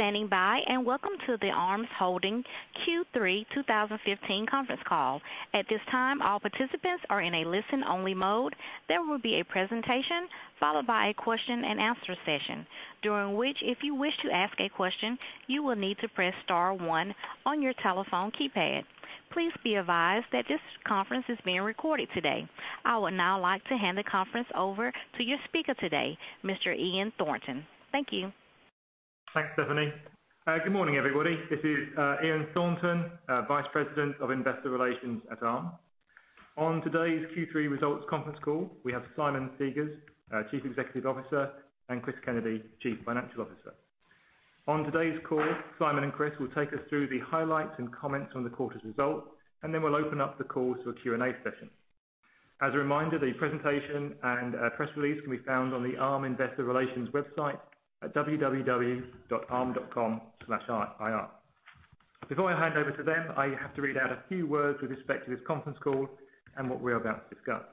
Thank you for standing by, and welcome to the Arm Holdings Q3 2015 conference call. At this time, all participants are in a listen-only mode. There will be a presentation followed by a question and answer session, during which, if you wish to ask a question, you will need to press star one on your telephone keypad. Please be advised that this conference is being recorded today. I would now like to hand the conference over to your speaker today, Mr. Ian Thornton. Thank you. Thanks, Stephanie. Good morning, everybody. This is Ian Thornton, Vice President of Investor Relations at Arm. On today's Q3 results conference call, we have Simon Segars, our Chief Executive Officer, and Chris Kennedy, Chief Financial Officer. Then we'll open up the call to a Q&A session. As a reminder, the presentation and press release can be found on the Arm Investor Relations website at www.arm.com/ir. Before I hand over to them, I have to read out a few words with respect to this conference call and what we're about to discuss.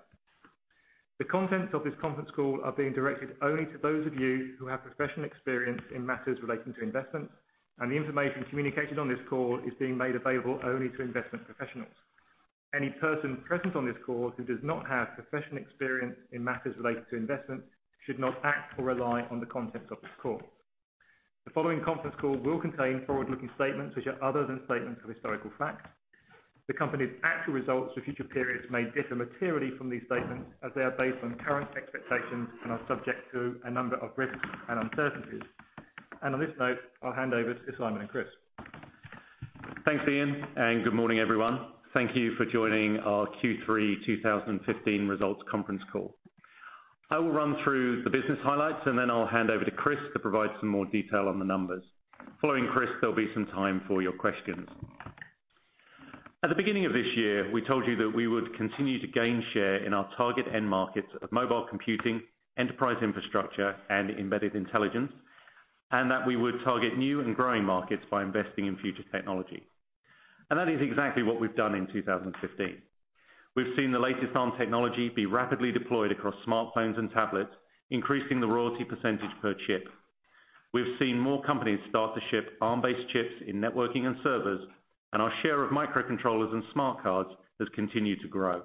The contents of this conference call are being directed only to those of you who have professional experience in matters relating to investments. The information communicated on this call is being made available only to investment professionals. Any person present on this call who does not have professional experience in matters relating to investments should not act or rely on the contents of this call. The following conference call will contain forward-looking statements which are other than statements of historical facts. The company's actual results for future periods may differ materially from these statements, as they are based on current expectations and are subject to a number of risks and uncertainties. On this note, I'll hand over to Simon and Chris. Thanks, Ian, and good morning, everyone. Thank you for joining our Q3 2015 results conference call. I will run through the business highlights. Then I'll hand over to Chris to provide some more detail on the numbers. Following Chris, there'll be some time for your questions. At the beginning of this year, we told you that we would continue to gain share in our target end markets of mobile computing, enterprise infrastructure, and embedded intelligence, and that we would target new and growing markets by investing in future technology. That is exactly what we've done in 2015. We've seen the latest Arm technology be rapidly deployed across smartphones and tablets, increasing the royalty percentage per chip. We've seen more companies start to ship Arm-based chips in networking and servers. Our share of microcontrollers and smart cards has continued to grow.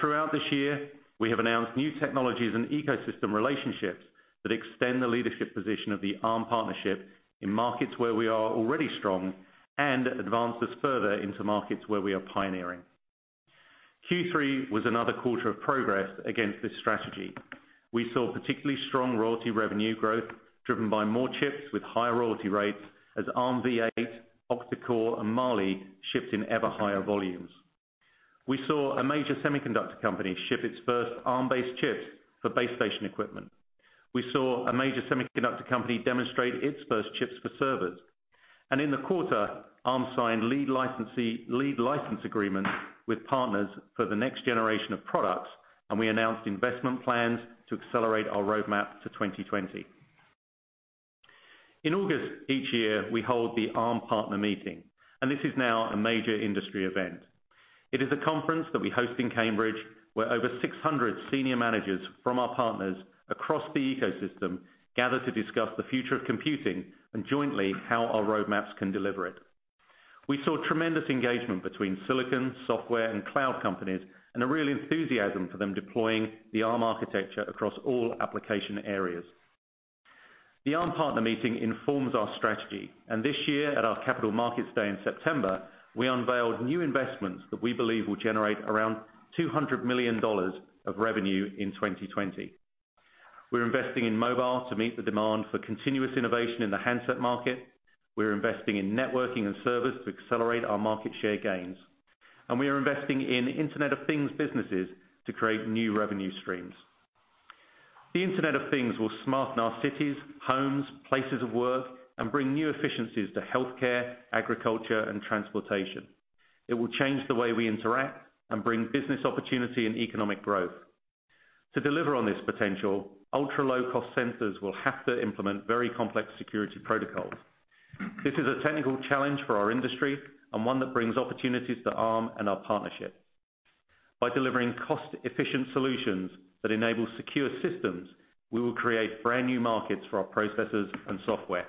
Throughout this year, we have announced new technologies and ecosystem relationships that extend the leadership position of the Arm partnership in markets where we are already strong and advance us further into markets where we are pioneering. Q3 was another quarter of progress against this strategy. We saw particularly strong royalty revenue growth driven by more chips with higher royalty rates as Armv8, Octa-core, and Mali shipped in ever higher volumes. We saw a major semiconductor company ship its first Arm-based chips for base station equipment. We saw a major semiconductor company demonstrate its first chips for servers. In the quarter, Arm signed lead license agreements with partners for the next generation of products, and we announced investment plans to accelerate our roadmap to 2020. In August each year, we hold the Arm Partner Meeting, and this is now a major industry event. It is a conference that we host in Cambridge, where over 600 senior managers from our partners across the ecosystem gather to discuss the future of computing and jointly how our roadmaps can deliver it. We saw tremendous engagement between silicon, software, and cloud companies and a real enthusiasm for them deploying the Arm architecture across all application areas. The Arm Partner Meeting informs our strategy, and this year at our Capital Markets Day in September, we unveiled new investments that we believe will generate around GBP 200 million of revenue in 2020. We're investing in mobile to meet the demand for continuous innovation in the handset market. We're investing in networking and servers to accelerate our market share gains. We are investing in Internet of Things businesses to create new revenue streams. The Internet of Things will smarten our cities, homes, places of work, and bring new efficiencies to healthcare, agriculture, and transportation. It will change the way we interact and bring business opportunity and economic growth. To deliver on this potential, ultra-low-cost sensors will have to implement very complex security protocols. This is a technical challenge for our industry and one that brings opportunities to Arm and our partnership. By delivering cost-efficient solutions that enable secure systems, we will create brand new markets for our processors and software.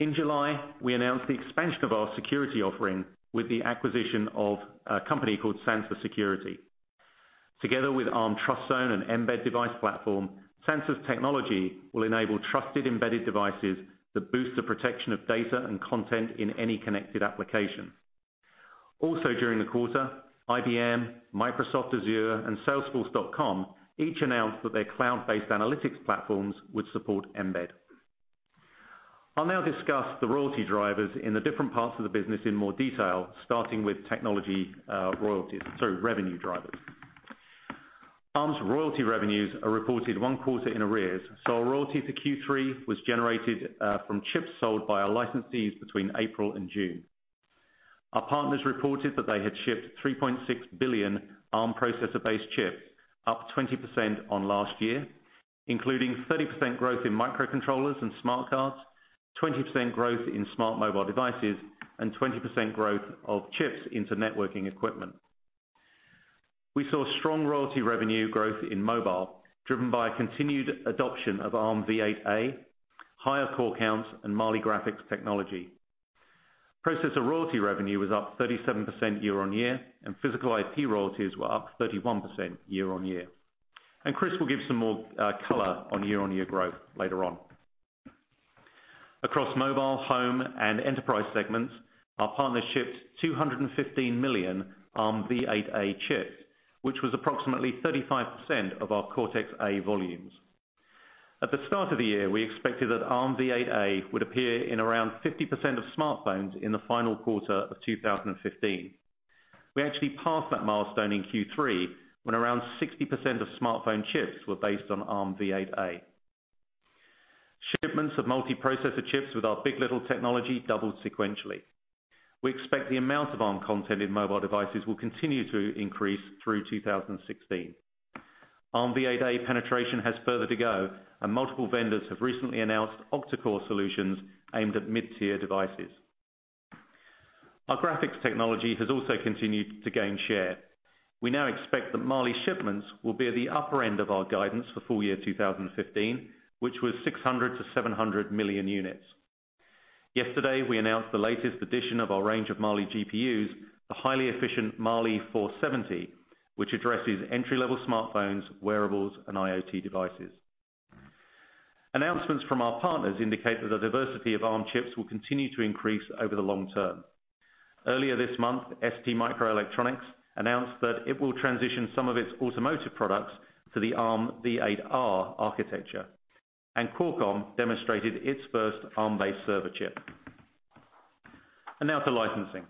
In July, we announced the expansion of our security offering with the acquisition of a company called Sansa Security. Together with Arm TrustZone and mbed device platform, Sansa's technology will enable trusted embedded devices that boost the protection of data and content in any connected application. Also during the quarter, IBM, Microsoft Azure, and Salesforce.com each announced that their cloud-based analytics platforms would support mbed. I'll now discuss the royalty drivers in the different parts of the business in more detail, starting with technology revenue drivers. Arm's royalty revenues are reported one quarter in arrears, so our royalty for Q3 was generated from chips sold by our licensees between April and June. Our partners reported that they had shipped 3.6 billion Arm processor-based chips, up 20% on last year, including 30% growth in microcontrollers and smart cards, 20% growth in smart mobile devices, and 20% growth of chips into networking equipment. We saw strong royalty revenue growth in mobile, driven by continued adoption of Armv8-A, higher core counts, and Mali graphics technology. Processor royalty revenue was up 37% year-on-year, and physical IP royalties were up 31% year-on-year. Chris will give some more color on year-on-year growth later on. Across mobile, home, and enterprise segments, our partners shipped 215 million Armv8-A chips, which was approximately 35% of our Cortex-A volumes. At the start of the year, we expected that Armv8-A would appear in around 50% of smartphones in the final quarter of 2015. We actually passed that milestone in Q3, when around 60% of smartphone chips were based on Armv8-A. Shipments of multiprocessor chips with our big. LITTLE technology doubled sequentially. We expect the amount of Arm content in mobile devices will continue to increase through 2016. Armv8-A penetration has further to go, multiple vendors have recently announced octa-core solutions aimed at mid-tier devices. Our graphics technology has also continued to gain share. We now expect that Mali shipments will be at the upper end of our guidance for full year 2015, which was 600 million-700 million units. Yesterday, we announced the latest edition of our range of Mali GPUs, the highly efficient Mali-470, which addresses entry-level smartphones, wearables, and IoT devices. Announcements from our partners indicate that the diversity of Arm chips will continue to increase over the long term. Earlier this month, STMicroelectronics announced that it will transition some of its automotive products to the Armv8-R architecture, Qualcomm demonstrated its first Arm-based server chip. Now to licensing.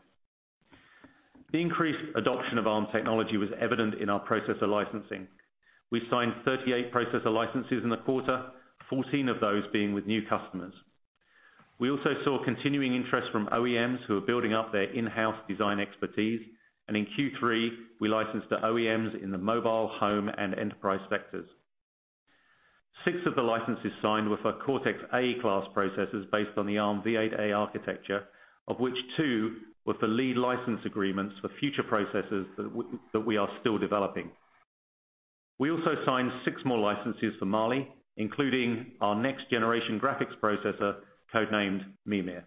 We signed 38 processor licenses in the quarter, 14 of those being with new customers. We also saw continuing interest from OEMs who are building up their in-house design expertise. In Q3, we licensed to OEMs in the mobile, home, and enterprise sectors. Six of the licenses signed were for Cortex-A class processors based on the Armv8-A architecture, of which two were for lead license agreements for future processors that we are still developing. We also signed six more licenses for Mali, including our next-generation graphics processor, codenamed Mimir.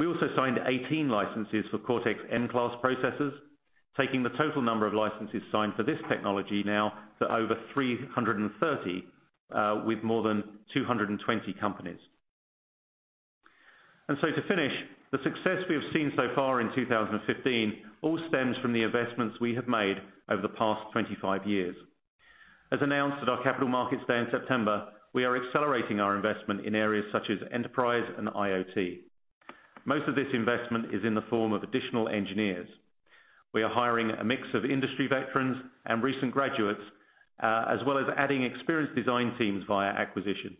We also signed 18 licenses for Cortex-M class processors, taking the total number of licenses signed for this technology now to over 330, with more than 220 companies. To finish, the success we have seen so far in 2015 all stems from the investments we have made over the past 25 years. As announced at our Capital Markets Day in September, we are accelerating our investment in areas such as enterprise and IoT. Most of this investment is in the form of additional engineers. We are hiring a mix of industry veterans and recent graduates, as well as adding experienced design teams via acquisition.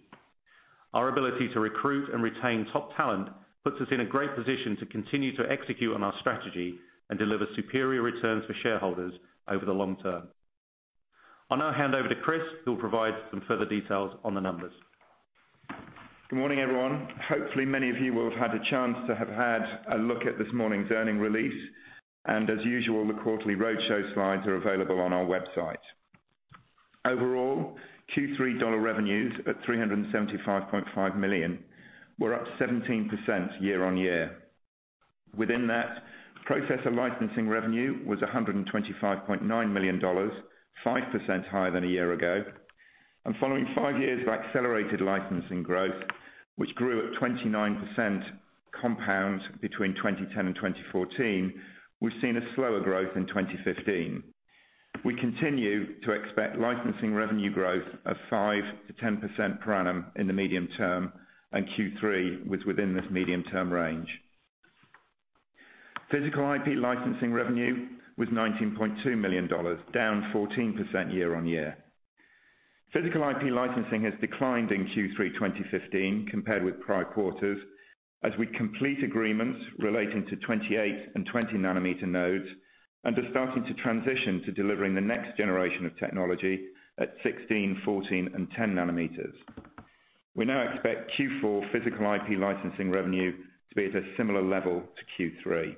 Our ability to recruit and retain top talent puts us in a great position to continue to execute on our strategy and deliver superior returns for shareholders over the long term. I'll now hand over to Chris, who will provide some further details on the numbers. Good morning, everyone. Hopefully, many of you will have had a chance to have had a look at this morning's earnings release. As usual, the quarterly roadshow slides are available on our website. Overall, Q3 dollar revenues at $375.5 million were up 17% year-on-year. Within that, processor licensing revenue was $125.9 million, 5% higher than a year ago. Following 5 years of accelerated licensing growth, which grew at 29% compound between 2010 and 2014, we've seen a slower growth in 2015. We continue to expect licensing revenue growth of 5%-10% per annum in the medium term, and Q3 was within this medium-term range. Physical IP licensing revenue was $19.2 million, down 14% year-on-year. Physical IP licensing has declined in Q3 2015 compared with prior quarters as we complete agreements relating to 28 and 20 nanometer nodes and are starting to transition to delivering the next generation of technology at 16, 14, and 10 nanometers. We now expect Q4 physical IP licensing revenue to be at a similar level to Q3.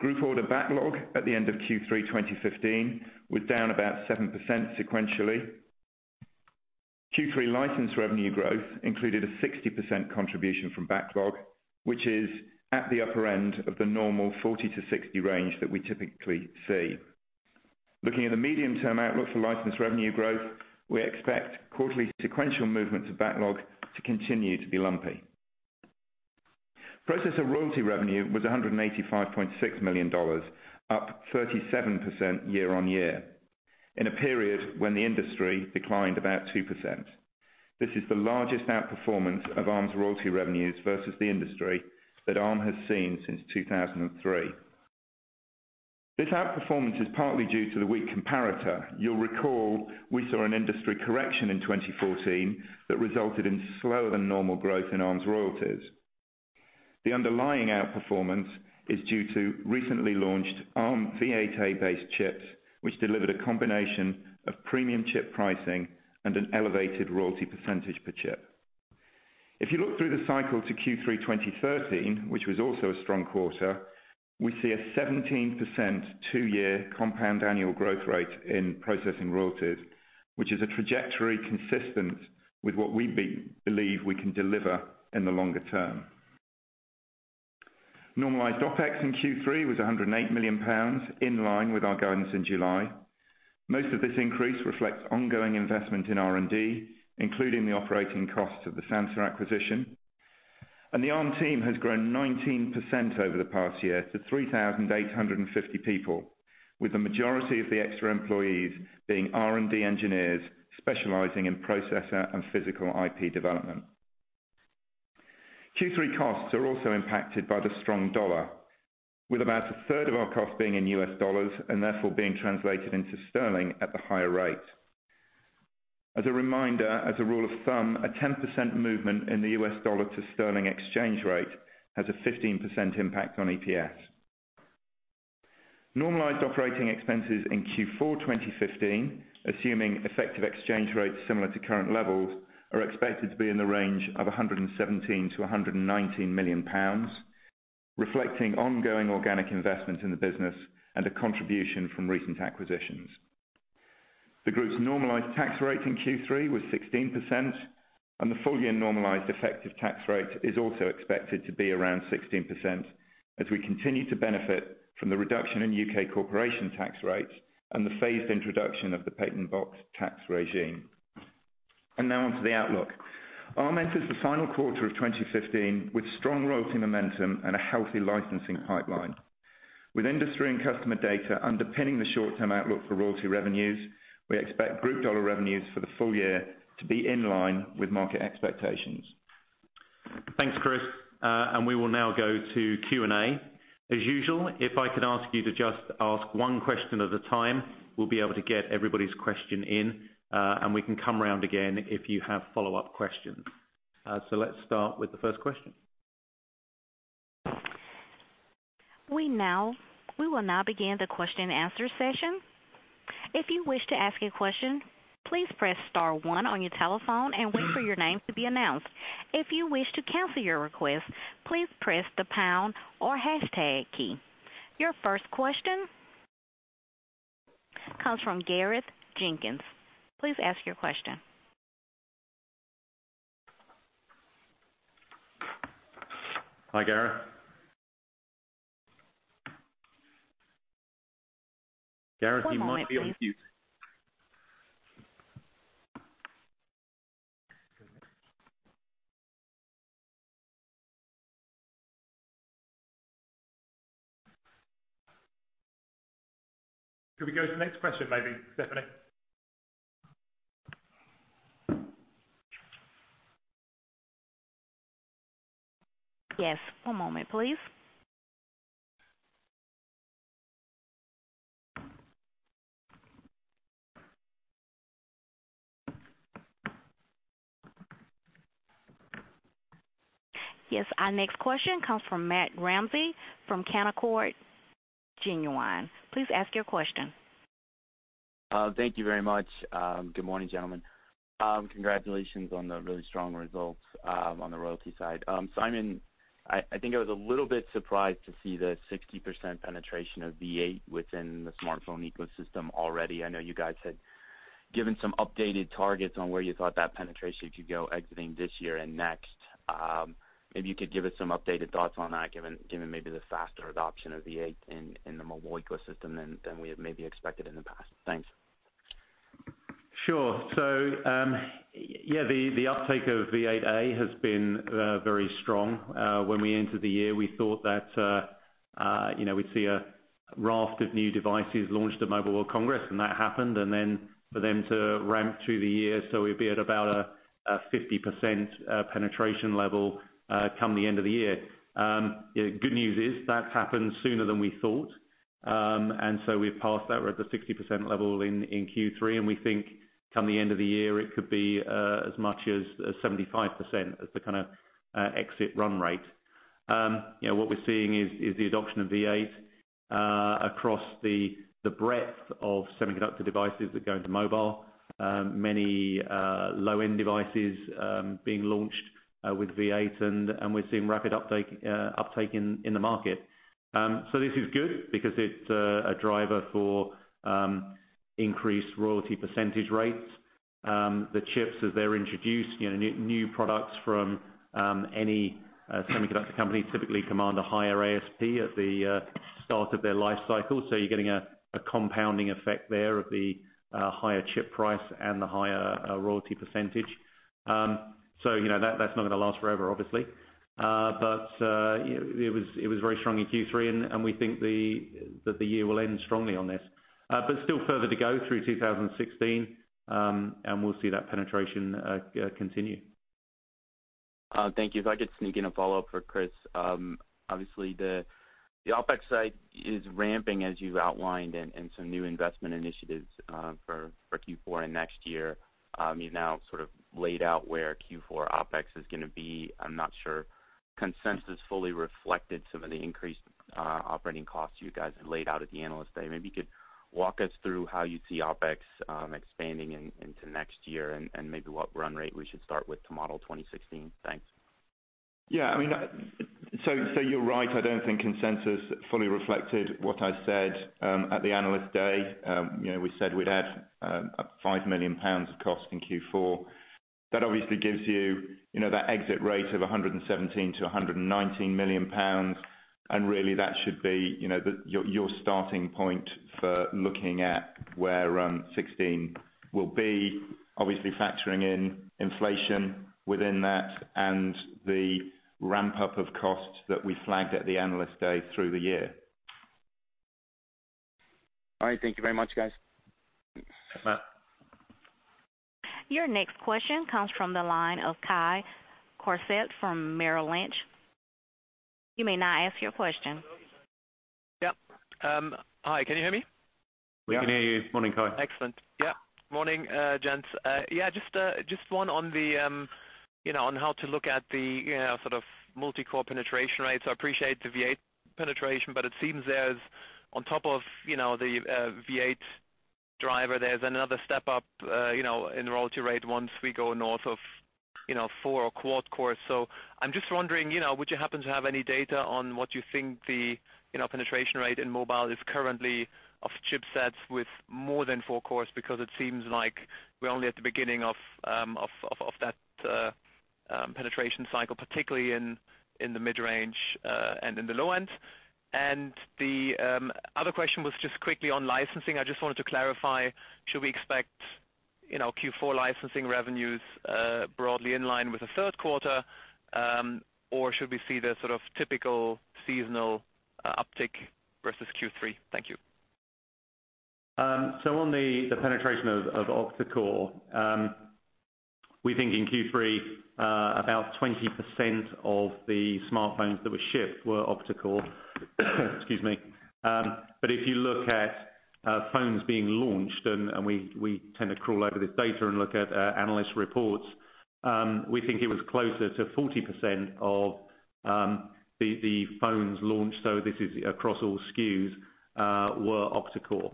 Group order backlog at the end of Q3 2015 was down about 7% sequentially. Q3 license revenue growth included a 60% contribution from backlog, which is at the upper end of the normal 40-60 range that we typically see. Looking at the medium-term outlook for license revenue growth, we expect quarterly sequential movement to backlog to continue to be lumpy. Processor royalty revenue was $185.6 million, up 37% year-on-year, in a period when the industry declined about 2%. This is the largest outperformance of Arm's royalty revenues versus the industry that Arm has seen since 2003. This outperformance is partly due to the weak comparator. You'll recall we saw an industry correction in 2014 that resulted in slower than normal growth in Arm's royalties. The underlying outperformance is due to recently launched Armv8-A-based chips, which delivered a combination of premium chip pricing and an elevated royalty percentage per chip. If you look through the cycle to Q3 2013, which was also a strong quarter, we see a 17% two-year compound annual growth rate in processing royalties, which is a trajectory consistent with what we believe we can deliver in the longer term. Normalized OpEx in Q3 was £108 million, in line with our guidance in July. Most of this increase reflects ongoing investment in R&D, including the operating costs of the Sansa acquisition. The Arm team has grown 19% over the past year to 3,850 people, with the majority of the extra employees being R&D engineers specializing in processor and physical IP development. Q3 costs are also impacted by the strong dollar, with about a third of our cost being in U.S. dollars and therefore being translated into GBP at the higher rate. As a reminder, as a rule of thumb, a 10% movement in the U.S. dollar to GBP exchange rate has a 15% impact on EPS. Normalized operating expenses in Q4 2015, assuming effective exchange rates similar to current levels, are expected to be in the range of 117 million-119 million pounds, reflecting ongoing organic investment in the business and a contribution from recent acquisitions. The group's normalized tax rate in Q3 was 16%, and the full-year normalized effective tax rate is also expected to be around 16% as we continue to benefit from the reduction in U.K. corporation tax rates and the phased introduction of the Patent Box tax regime. Now on to the outlook. Arm enters the final quarter of 2015 with strong royalty momentum and a healthy licensing pipeline. With industry and customer data underpinning the short-term outlook for royalty revenues, we expect group dollar revenues for the full year to be in line with market expectations. Thanks, Chris. We will now go to Q&A. As usual, if I could ask you to just ask one question at a time, we will be able to get everybody's question in, and we can come round again if you have follow-up questions. Let's start with the first question. We will now begin the question and answer session. If you wish to ask a question, please press star one on your telephone and wait for your name to be announced. If you wish to cancel your request, please press the pound or hashtag key. Your first question comes from Gareth Jenkins. Please ask your question. Hi, Gareth. Gareth, you might be on mute. Can we go to the next question maybe, Stephanie? Yes. One moment please. Yes, our next question comes from Matt Ramsay from Canaccord Genuity. Please ask your question. Thank you very much. Good morning, gentlemen. Congratulations on the really strong results on the royalty side. Simon, I think I was a little bit surprised to see the 60% penetration of v8 within the smartphone ecosystem already. I know you guys had given some updated targets on where you thought that penetration could go exiting this year and next. Maybe you could give us some updated thoughts on that, given maybe the faster adoption of v8 in the mobile ecosystem than we had maybe expected in the past. Thanks. Sure. The uptake of v8 has been very strong. When we entered the year, we thought that we'd see a raft of new devices launched at Mobile World Congress, and that happened, and then for them to ramp through the year, so we'd be at about a 50% penetration level come the end of the year. Good news is that happened sooner than we thought. We've passed that. We're at the 60% level in Q3, and we think come the end of the year, it could be as much as 75% as the kind of exit run rate. What we're seeing is the adoption of v8 across the breadth of semiconductor devices that go into mobile. Many low-end devices being launched with v8, and we're seeing rapid uptake in the market. This is good because it's a driver for increased royalty percentage rates. The chips as they're introduced, new products from any semiconductor company typically command a higher ASP at the start of their life cycle. You're getting a compounding effect there of the higher chip price and the higher royalty percentage. That's not going to last forever, obviously. It was very strong in Q3, and we think that the year will end strongly on this. Still further to go through 2016, and we'll see that penetration continue. Thank you. If I could sneak in a follow-up for Chris. Obviously, the OpEx side is ramping as you've outlined in some new investment initiatives for Q4 and next year. You've now sort of laid out where Q4 OpEx is going to be. I'm not sure Consensus fully reflected some of the increased operating costs you guys have laid out at the Analyst Day. Maybe you could walk us through how you see OpEx expanding into next year and maybe what run rate we should start with to model 2016. Thanks. Yeah. You're right. I don't think consensus fully reflected what I said at the Analyst Day. We said we'd add 5 million pounds of cost in Q4. That obviously gives you that exit rate of 117 million-119 million pounds. Really that should be your starting point for looking at where 2016 will be, obviously factoring in inflation within that and the ramp-up of costs that we flagged at the Analyst Day through the year. All right. Thank you very much, guys. Thanks, Matt. Your next question comes from the line of Kai Korschelt from Merrill Lynch. You may now ask your question. Yep. Hi, can you hear me? We can hear you. Morning, Kai. Excellent. Yep. Morning, gents. Yeah, just one on how to look at the multi-core penetration rates. I appreciate the v8 penetration, but it seems there's on top of the v8 driver, there's another step up in royalty rate once we go north of four or quad-core. I'm just wondering, would you happen to have any data on what you think the penetration rate in mobile is currently of chipsets with more than four cores? Because it seems like we're only at the beginning of that penetration cycle, particularly in the mid-range and in the low end. The other question was just quickly on licensing. I just wanted to clarify, should we expect Q4 licensing revenues broadly in line with the third quarter? Or should we see the typical seasonal uptick versus Q3? Thank you. On the penetration of octa-core, we think in Q3 about 20% of the smartphones that were shipped were octa-core. Excuse me. If you look at phones being launched, and we tend to crawl over this data and look at analyst reports, we think it was closer to 40% of the phones launched, so this is across all SKUs, were octa-core.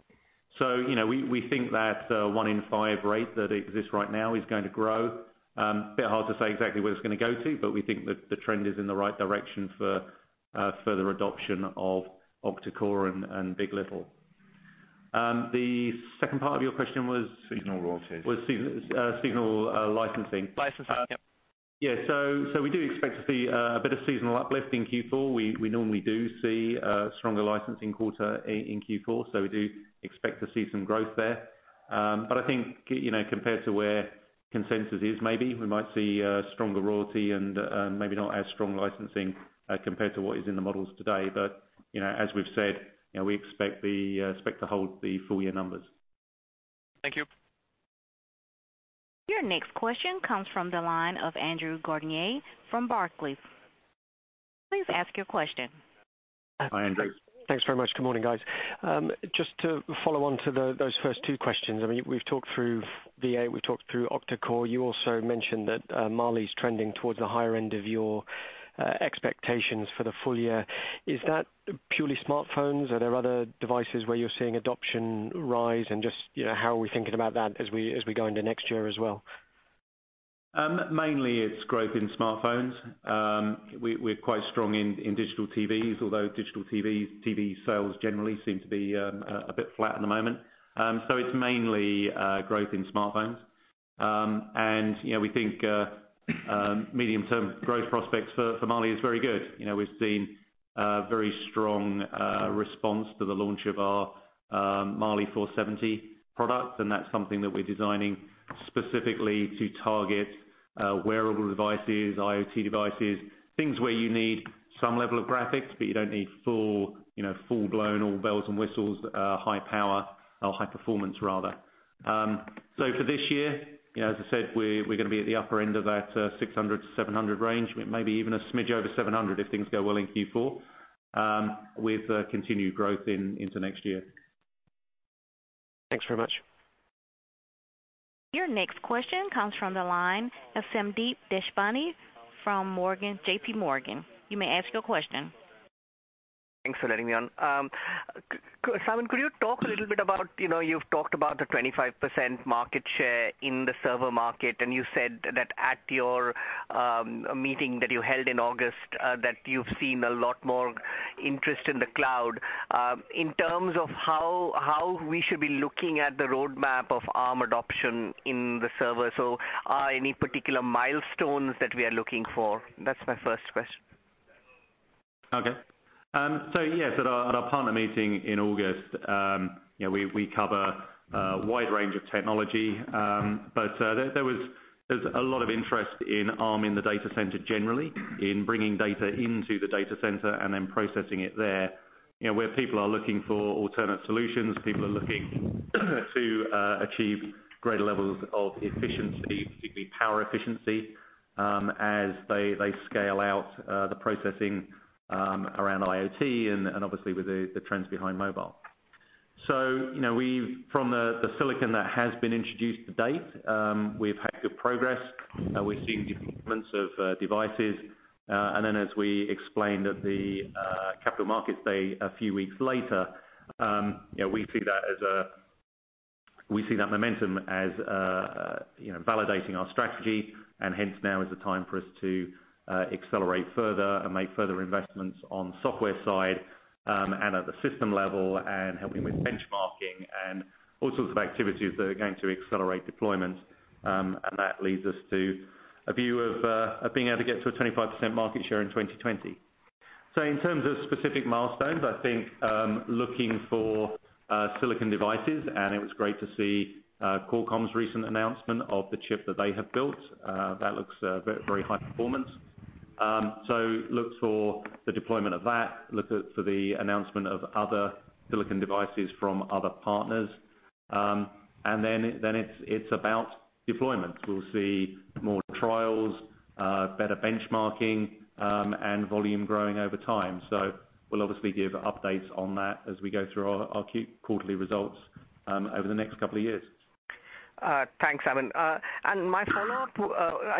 We think that one in five rate that exists right now is going to grow. A bit hard to say exactly where it's going to go to, but we think that the trend is in the right direction for further adoption of octa-core and big. LITTLE. The second part of your question was? Seasonal royalties. Was seasonal licensing. Licensing. Yep. Yeah. We do expect to see a bit of seasonal uplift in Q4. We normally do see a stronger licensing quarter in Q4, we do expect to see some growth there. I think compared to where consensus is maybe, we might see a stronger royalty and maybe not as strong licensing compared to what is in the models today. As we've said, we expect to hold the full year numbers. Thank you. Your next question comes from the line of Andrew Gardiner from Barclays. Please ask your question. Hi, Andrew. Thanks very much. Good morning, guys. Just to follow on to those first two questions. We've talked through v8, we've talked through octa-core. You also mentioned that Mali is trending towards the higher end of your expectations for the full year. Is that purely smartphones? Are there other devices where you're seeing adoption rise and just how are we thinking about that as we go into next year as well? Mainly it's growth in smartphones. We're quite strong in digital TVs, although digital TV sales generally seem to be a bit flat at the moment. It's mainly growth in smartphones. We think medium term growth prospects for Mali is very good. We've seen a very strong response to the launch of our Mali-470 product, and that's something that we're designing specifically to target wearable devices, IoT devices, things where you need some level of graphics, but you don't need full-blown, all bells and whistles, high power or high performance rather. For this year, as I said, we're going to be at the upper end of that 600-700 range. We may be even a smidge over 700 if things go well in Q4, with continued growth into next year. Thanks very much. Your next question comes from the line of Sandeep Deshpande from J.P. Morgan. You may ask your question. Thanks for letting me on. Simon, could you talk a little bit about, you've talked about the 25% market share in the server market, you said that at your meeting that you held in August, that you've seen a lot more interest in the cloud. In terms of how we should be looking at the roadmap of Arm adoption in the server. Any particular milestones that we are looking for? That's my first question. Okay. Yes, at our Arm Partner Meeting in August, we cover a wide range of technology. There was a lot of interest in Arm in the data center generally in bringing data into the data center and then processing it there, where people are looking for alternate solutions, people are looking to achieve greater levels of efficiency, particularly power efficiency, as they scale out the processing around IoT and obviously with the trends behind mobile. From the silicon that has been introduced to date, we've had good progress. We're seeing deployments of devices. As we explained at the Capital Markets Day a few weeks later, we see that momentum as validating our strategy. Hence now is the time for us to accelerate further and make further investments on software side, and at the system level, and helping with benchmarking, and all sorts of activities that are going to accelerate deployment. That leads us to a view of being able to get to a 25% market share in 2020. In terms of specific milestones, I think looking for silicon devices, it was great to see Qualcomm's recent announcement of the chip that they have built. That looks very high performance. Look for the deployment of that, look for the announcement of other silicon devices from other partners. It's about deployment. We'll see more trials, better benchmarking, and volume growing over time. We'll obviously give updates on that as we go through our quarterly results over the next couple of years. Thanks, Simon. My follow-up,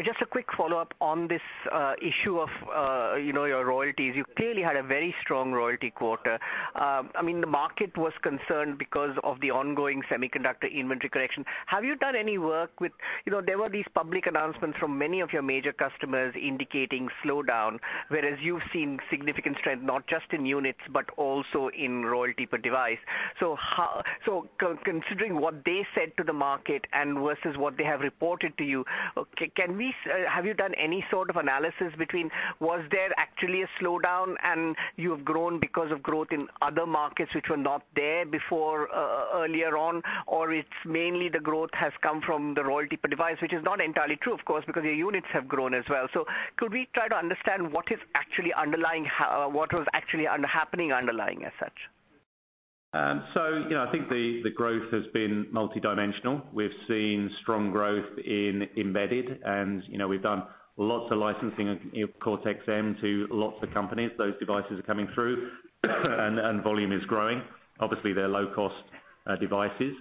just a quick follow-up on this issue of your royalties. You clearly had a very strong royalty quarter. The market was concerned because of the ongoing semiconductor inventory correction. There were these public announcements from many of your major customers indicating slowdown, whereas you've seen significant strength, not just in units, but also in royalty per device. Considering what they said to the market and versus what they have reported to you, have you done any sort of analysis between was there actually a slowdown and you have grown because of growth in other markets which were not there before earlier on? It's mainly the growth has come from the royalty per device, which is not entirely true, of course, because your units have grown as well. Could we try to understand what was actually happening underlying as such? I think the growth has been multidimensional. We've seen strong growth in embedded, and we've done lots of licensing of Cortex-M to lots of companies. Those devices are coming through, and volume is growing. Obviously, they're low-cost devices.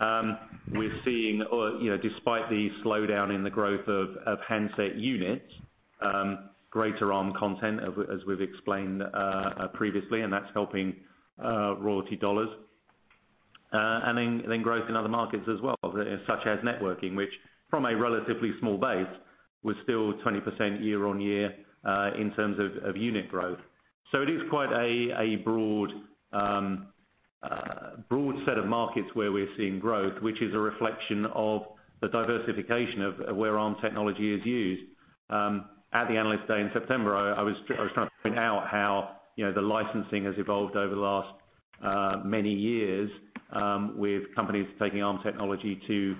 We're seeing, despite the slowdown in the growth of handset units, greater Arm content, as we've explained previously, and that's helping royalty dollars. Growth in other markets as well, such as networking, which from a relatively small base was still 20% year-on-year in terms of unit growth. It is quite a broad set of markets where we're seeing growth, which is a reflection of the diversification of where Arm technology is used. At the Analyst Day in September, I was trying to point out how the licensing has evolved over the last many years with companies taking Arm technology to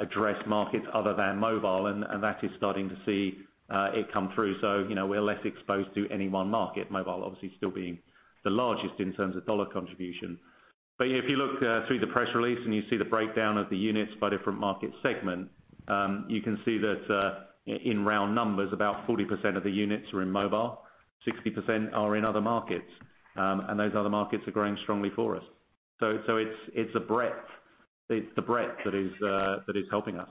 address markets other than mobile, that is starting to see it come through. We're less exposed to any one market. Mobile obviously still being the largest in terms of dollar contribution. If you look through the press release and you see the breakdown of the units by different market segment, you can see that in round numbers, about 40% of the units are in mobile, 60% are in other markets. Those other markets are growing strongly for us. It's the breadth that is helping us.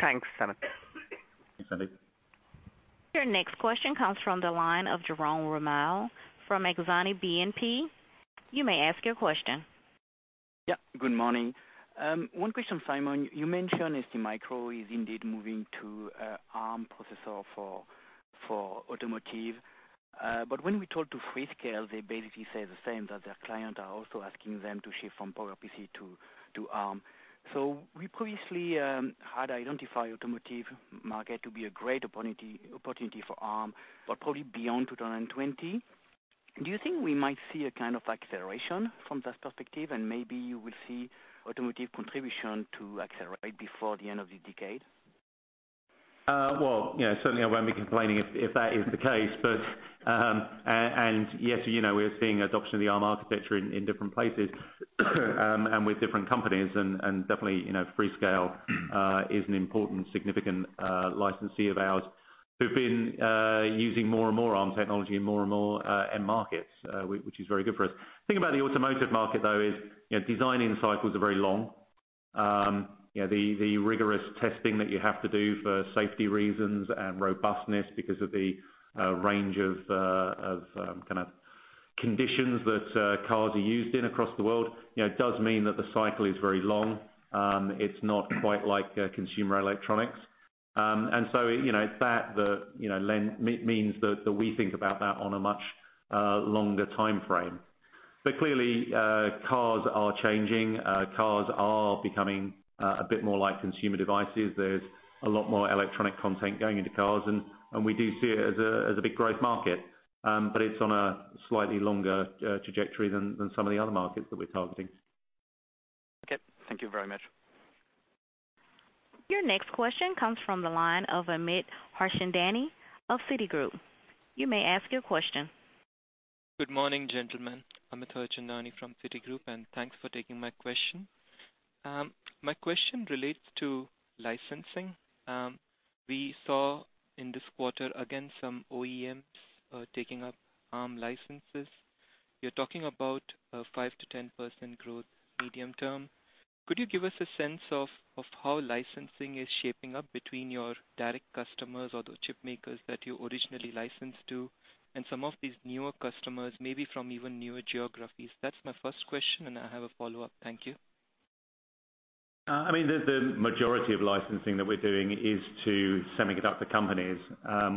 Thanks, Simon. Thanks, Sandeep. Your next question comes from the line of Jerome Ramel from Exane BNP. You may ask your question. Yeah. Good morning. One question, Simon. You mentioned STMicro is indeed moving to Arm processor for automotive. When we talk to Freescale, they basically say the same, that their client are also asking them to shift from PowerPC to Arm. We previously had identified automotive market to be a great opportunity for Arm, but probably beyond 2020. Do you think we might see a kind of acceleration from that perspective? Maybe you will see automotive contribution to accelerate before the end of the decade? Well, certainly I won't be complaining if that is the case. Yes, we're seeing adoption of the Arm architecture in different places and with different companies, and definitely Freescale is an important significant licensee of ours who've been using more and more Arm technology in more and more end markets which is very good for us. The thing about the automotive market, though, is designing cycles are very long. The rigorous testing that you have to do for safety reasons and robustness because of the range of conditions that cars are used in across the world, it does mean that the cycle is very long. It's not quite like consumer electronics. It means that we think about that on a much longer timeframe. Clearly, cars are changing. Cars are becoming a bit more like consumer devices. There's a lot more electronic content going into cars, and we do see it as a big growth market. It's on a slightly longer trajectory than some of the other markets that we're targeting. Okay. Thank you very much. Your next question comes from the line of Amit Harchandani of Citigroup. You may ask your question. Good morning, gentlemen. Amit Harchandani from Citigroup, and thanks for taking my question. My question relates to licensing. We saw in this quarter, again, some OEMs taking up Arm licenses. You're talking about a 5%-10% growth medium term. Could you give us a sense of how licensing is shaping up between your direct customers or the chip makers that you originally licensed to, and some of these newer customers, maybe from even newer geographies? That's my first question. I have a follow-up. Thank you. The majority of licensing that we're doing is to semiconductor companies.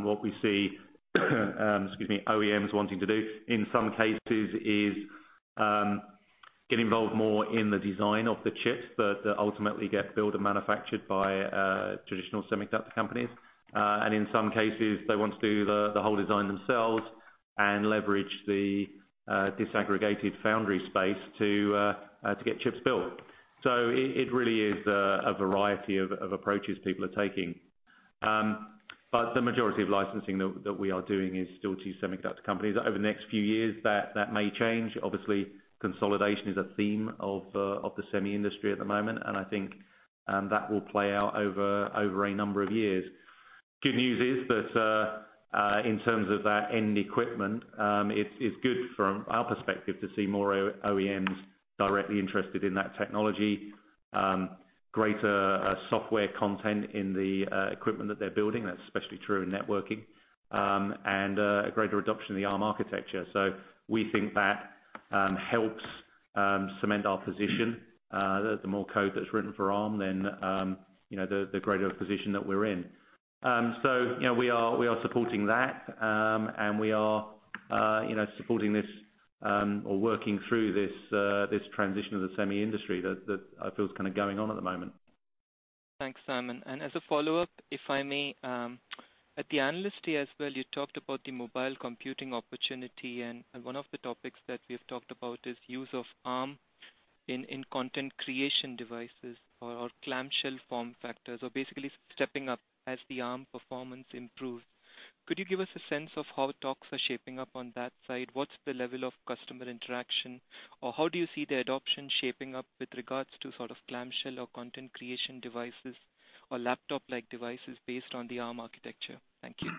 What we see excuse me, OEMs wanting to do, in some cases, is get involved more in the design of the chips that ultimately get built and manufactured by traditional semiconductor companies. In some cases, they want to do the whole design themselves and leverage the disaggregated foundry space to get chips built. It really is a variety of approaches people are taking. The majority of licensing that we are doing is still to semiconductor companies. Over the next few years, that may change. Obviously, consolidation is a theme of the semi industry at the moment, and I think that will play out over a number of years. Good news is that, in terms of that end equipment, it's good from our perspective to see more OEMs directly interested in that technology, greater software content in the equipment that they're building, that's especially true in networking, and a greater adoption of the Arm architecture. We think that helps cement our position. The more code that's written for Arm, the greater the position that we're in. We are supporting that, and we are supporting this or working through this transition of the semi industry that I feel is kind of going on at the moment. Thanks, Simon. As a follow-up, if I may. At the Analyst Day as well, you talked about the mobile computing opportunity, and one of the topics that we've talked about is use of Arm in content creation devices or clamshell form factors, or basically stepping up as the Arm performance improves. Could you give us a sense of how talks are shaping up on that side? What's the level of customer interaction, or how do you see the adoption shaping up with regards to sort of clamshell or content creation devices or laptop-like devices based on the Arm architecture? Thank you.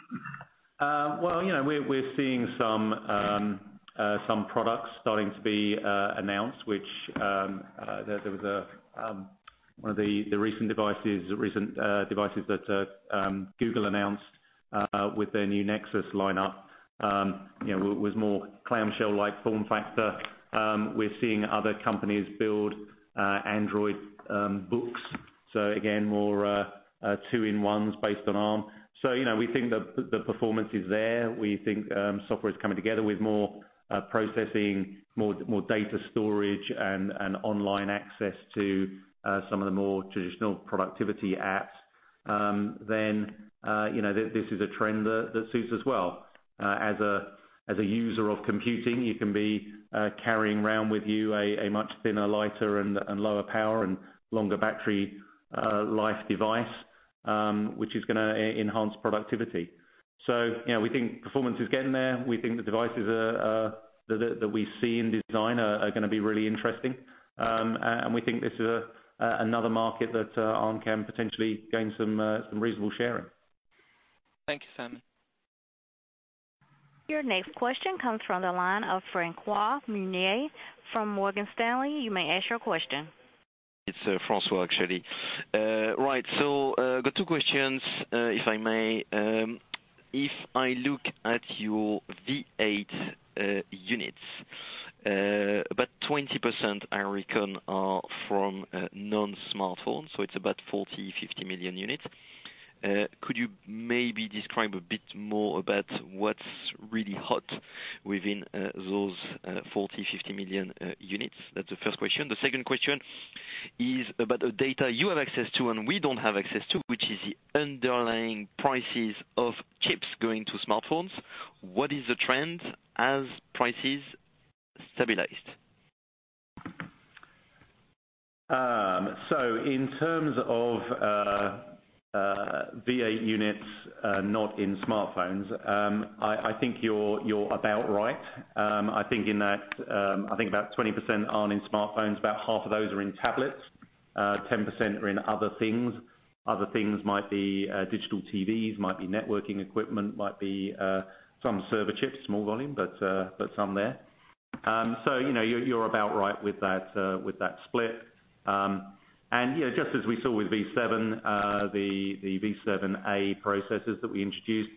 We're seeing some products starting to be announced, which there was one of the recent devices that Google announced with their new Nexus lineup with more clamshell-like form factor. We're seeing other companies build Android Books. Again, more 2-in-1s based on Arm. We think that the performance is there. We think software is coming together with more processing, more data storage, and online access to some of the more traditional productivity apps. This is a trend that suits us well. As a user of computing, you can be carrying around with you a much thinner, lighter, and lower power, and longer battery life device, which is going to enhance productivity. We think performance is getting there. We think the devices that we see in design are going to be really interesting. We think this is another market that Arm can potentially gain some reasonable share in. Thank you, Simon. Your next question comes from the line of Francois Meunier from Morgan Stanley. You may ask your question. It's Francois, actually. Right. I've got two questions, if I may. If I look at your v8 units, about 20%, I reckon, are from non-smartphones, so it's about 40, 50 million units. Could you maybe describe a bit more about what's really hot within those 40, 50 million units? That's the first question. The second question is about the data you have access to and we don't have access to, which is the underlying prices of chips going to smartphones. What is the trend as prices stabilized? In terms of v8 units not in smartphones, I think you're about right. I think about 20% aren't in smartphones. About half of those are in tablets. 10% are in other things. Other things might be digital TVs, might be networking equipment, might be some server chips, small volume, but some there. You're about right with that split. Just as we saw with v7, the v7-A processors that we introduced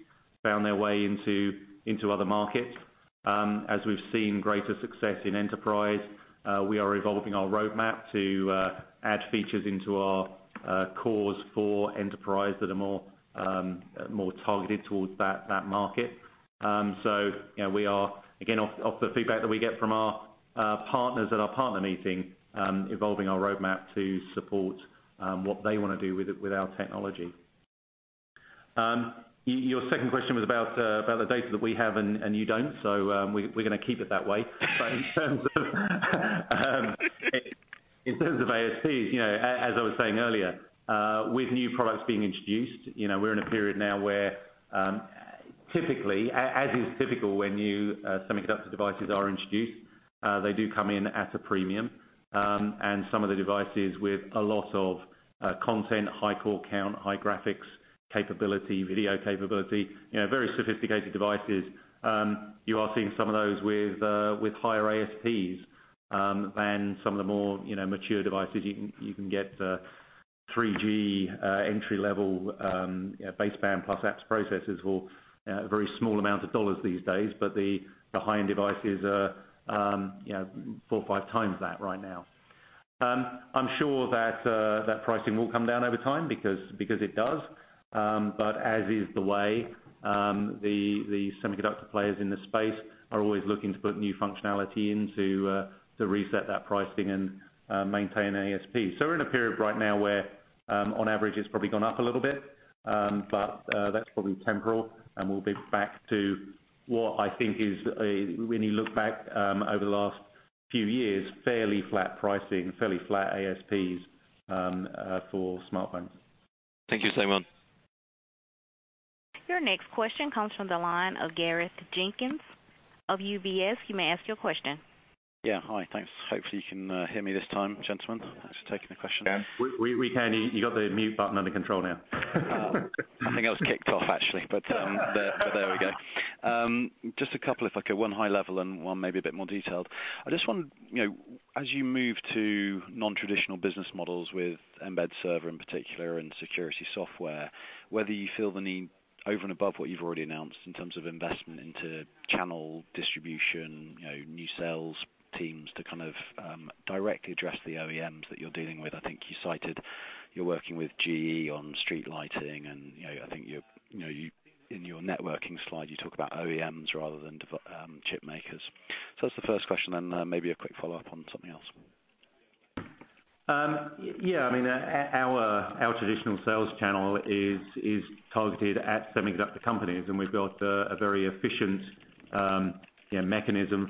found their way into other markets. As we've seen greater success in enterprise we are evolving our roadmap to add features into our cores for enterprise that are more targeted towards that market. We are, again, off the feedback that we get from our partners at our Partner Meeting evolving our roadmap to support what they want to do with our technology. Your second question was about the data that we have and you don't, we're going to keep it that way. In terms of ASPs, as I was saying earlier, with new products being introduced, we're in a period now where Typically, as is typical when new semiconductor devices are introduced, they do come in at a premium. Some of the devices with a lot of content, high core count, high graphics capability, video capability, very sophisticated devices, you are seeing some of those with higher ASPs than some of the more mature devices. You can get 3G entry-level baseband plus apps processors for a very small amount of GBP these days. The high-end devices are four or five times that right now. I'm sure that pricing will come down over time because it does. As is the way, the semiconductor players in this space are always looking to put new functionality in to reset that pricing and maintain ASP. We're in a period right now where, on average, it's probably gone up a little bit. That's probably temporal and we'll be back to what I think is, when you look back over the last few years, fairly flat pricing, fairly flat ASPs for smartphones. Thank you, Simon. Your next question comes from the line of Gareth Jenkins of UBS. You may ask your question. Yeah. Hi. Thanks. Hopefully, you can hear me this time, gentlemen. Thanks for taking the question. Yeah. We can. You got the mute button under control now. I think I was kicked off, actually, but there we go. Just a couple, if I could, one high level and one maybe a bit more detailed. I just wonder, as you move to non-traditional business models with mbed server in particular and security software, whether you feel the need over and above what you've already announced in terms of investment into channel distribution, new sales teams to kind of directly address the OEMs that you're dealing with. I think you cited you're working with GE on street lighting. I think in your networking slide, you talk about OEMs rather than chip makers. That's the first question, maybe a quick follow-up on something else. Yeah. Our traditional sales channel is targeted at semiconductor companies, we've got a very efficient mechanism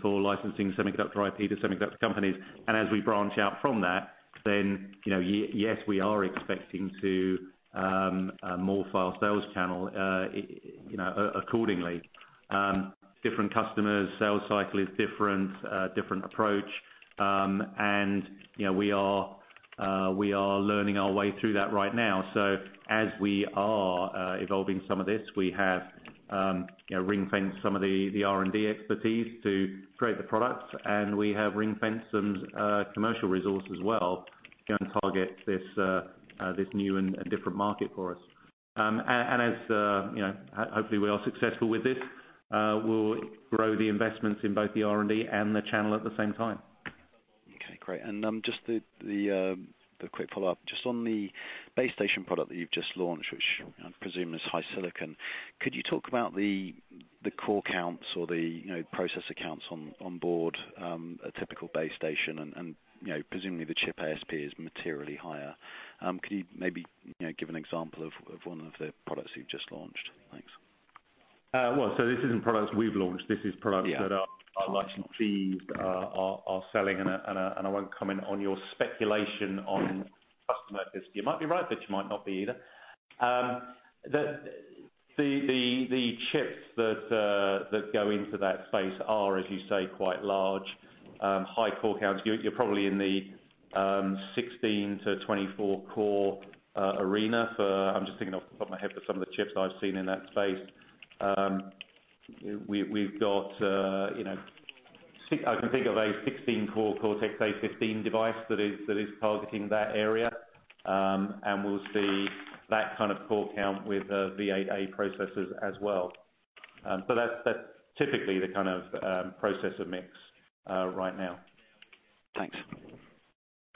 for licensing semiconductor IP to semiconductor companies. As we branch out from that, yes, we are expecting to morph our sales channel accordingly. Different customers, sales cycle is different approach. We are learning our way through that right now. As we are evolving some of this, we have ring-fenced some of the R&D expertise to create the products, we have ring-fenced some commercial resource as well to go and target this new and different market for us. As hopefully we are successful with this, we'll grow the investments in both the R&D and the channel at the same time. Okay, great. Just the quick follow-up. Just on the base station product that you've just launched, which I presume is HiSilicon, could you talk about the core counts or the processor counts on board a typical base station? Presumably, the chip ASP is materially higher. Could you maybe give an example of one of the products you've just launched? Thanks. This isn't products we've launched. This is products- Yeah that our licensee are selling, I won't comment on your speculation on customer. You might be right, but you might not be either. The chips that go into that space are, as you say, quite large, high core counts. You're probably in the 16 to 24 core arena for, I'm just thinking off the top of my head for some of the chips I've seen in that space. I can think of a 16-core Cortex-A15 device that is targeting that area. We'll see that kind of core count with the v8-A processes as well. That's typically the kind of processor mix right now. Thanks.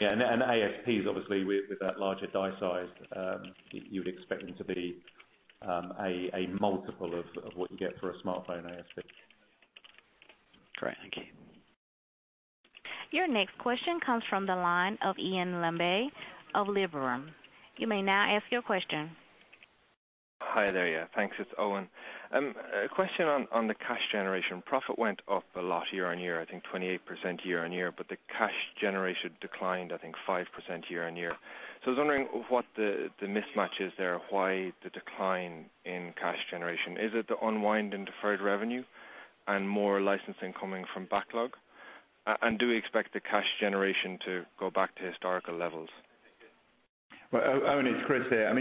Yeah. ASPs, obviously, with that larger die size, you would expect them to be a multiple of what you get for a smartphone ASP. Great. Thank you. Your next question comes from the line of Eoin Lambe of Liberum. You may now ask your question. Hi there. Yeah, thanks. It's Eoin. A question on the cash generation. Profit went up a lot year-on-year, I think 28% year-on-year. The cash generation declined, I think 5% year-on-year. I was wondering what the mismatch is there, why the decline in cash generation? Is it the unwind in deferred revenue and more licensing coming from backlog? Do we expect the cash generation to go back to historical levels? Well, Eoin, it's Chris here.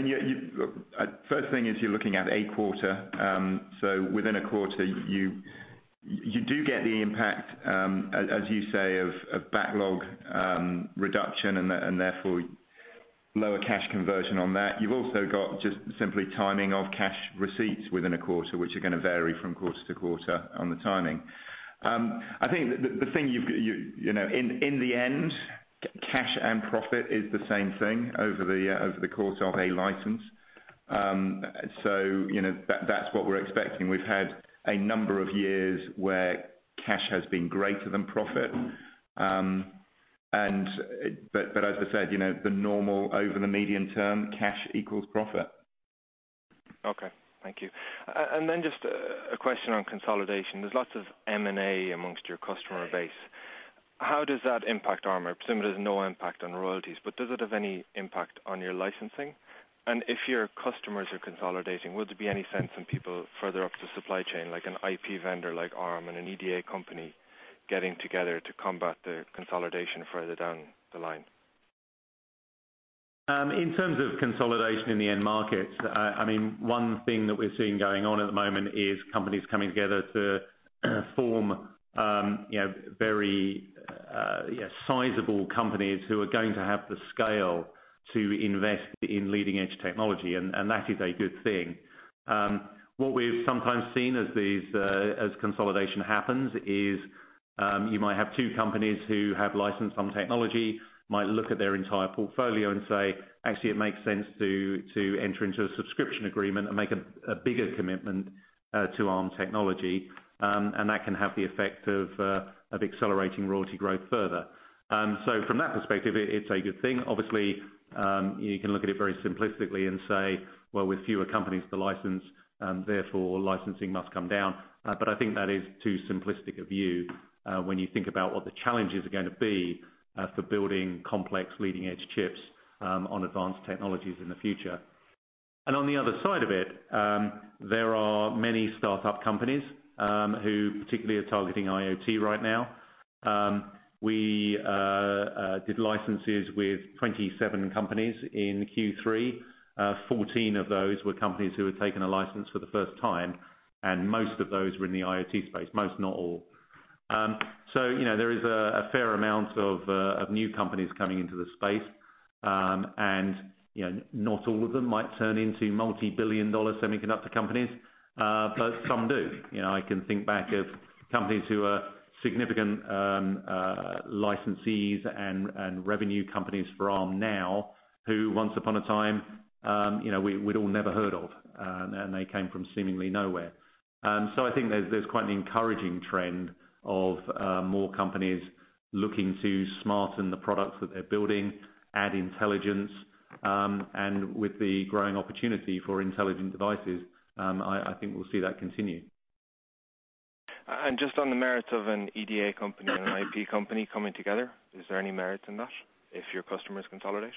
First thing is you're looking at a quarter. Within a quarter, you do get the impact, as you say, of backlog reduction and therefore lower cash conversion on that. You've also got just simply timing of cash receipts within a quarter, which are going to vary from quarter to quarter on the timing. I think the thing, in the end, cash and profit is the same thing over the course of a license. That's what we're expecting. We've had a number of years where cash has been greater than profit. As I said, the normal over the medium term, cash equals profit. Okay. Thank you. Just a question on consolidation. There's lots of M&A amongst your customer base. How does that impact Arm? I presume it has no impact on royalties, but does it have any impact on your licensing? If your customers are consolidating, would there be any sense in people further up the supply chain, like an IP vendor like Arm and an EDA company, getting together to combat the consolidation further down the line? In terms of consolidation in the end markets, one thing that we're seeing going on at the moment is companies coming together to form very sizable companies who are going to have the scale to invest in leading-edge technology, and that is a good thing. What we've sometimes seen as consolidation happens is you might have two companies who have licensed some technology, might look at their entire portfolio and say, "Actually, it makes sense to enter into a subscription agreement and make a bigger commitment to Arm technology." That can have the effect of accelerating royalty growth further. From that perspective, it's a good thing. Obviously, you can look at it very simplistically and say, well, with fewer companies to license, therefore licensing must come down. I think that is too simplistic a view when you think about what the challenges are going to be for building complex leading-edge chips on advanced technologies in the future. On the other side of it, there are many startup companies who particularly are targeting IoT right now. We did licenses with 27 companies in Q3. 14 of those were companies who had taken a license for the first time, and most of those were in the IoT space. Most, not all. There is a fair amount of new companies coming into the space. Not all of them might turn into multibillion-dollar semiconductor companies, but some do. I can think back of companies who are significant licensees and revenue companies for Arm now, who once upon a time, we'd all never heard of, and they came from seemingly nowhere. I think there's quite an encouraging trend of more companies looking to smarten the products that they're building, add intelligence. With the growing opportunity for intelligent devices, I think we'll see that continue. Just on the merits of an EDA company and an IP company coming together, is there any merit in that if your customers consolidate?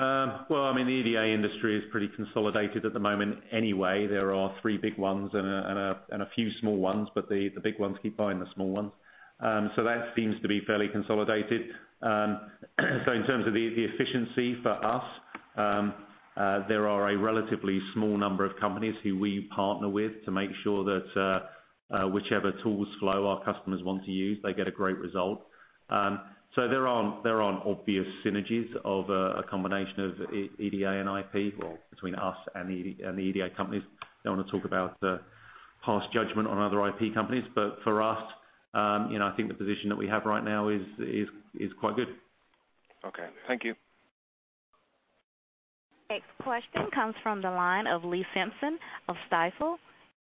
Well, the EDA industry is pretty consolidated at the moment anyway. There are three big ones and a few small ones, but the big ones keep buying the small ones. That seems to be fairly consolidated. In terms of the efficiency for us, there are a relatively small number of companies who we partner with to make sure that whichever tools flow our customers want to use, they get a great result. There aren't obvious synergies of a combination of EDA and IP, or between us and the EDA companies. Don't want to talk about the past judgment on other IP companies. For us, I think the position that we have right now is quite good. Okay. Thank you. Next question comes from the line of Lee Simpson of Stifel.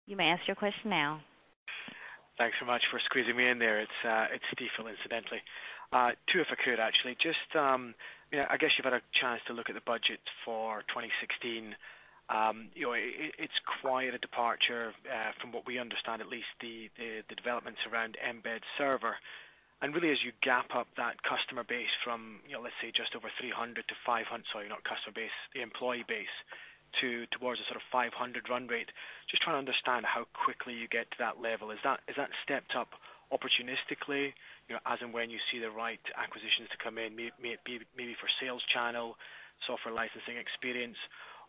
You may ask your question now. Thanks so much for squeezing me in there. It's Stifel, incidentally. Two, if I could, actually. Just I guess you've had a chance to look at the budget for 2016. It's quite a departure from what we understand, at least the developments around Mbed Server. Really as you gap up that customer base from, let's say, just over 300 to 500-- Sorry, not customer base, the employee base, towards a sort of 500 run rate. Just trying to understand how quickly you get to that level. Is that stepped up opportunistically as in when you see the right acquisitions to come in, maybe for sales channel, software licensing experience?